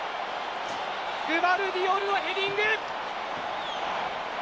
グヴァルディオルのヘディング！